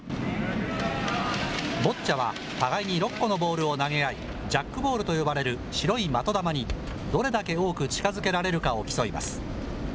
ボッチャは互いに６個のボールを投げ合い、ジャックボールと呼ばれる白い的玉に、どれだけ多く近づけられるかを競います。